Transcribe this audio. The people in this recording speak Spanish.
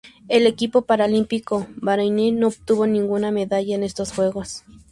El equipo paralímpico bareiní no obtuvo ninguna medalla en estos Juegos.